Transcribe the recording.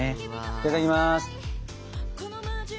いただきます。